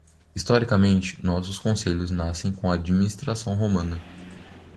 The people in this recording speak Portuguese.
Historicamente, nossos conselhos nascem com a administração romana.